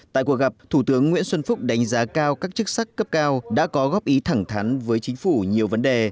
tại cuộc gặp thủ tướng nguyễn xuân phúc đánh giá cao các chức sắc cấp cao đã có góp ý thẳng thắn với chính phủ nhiều vấn đề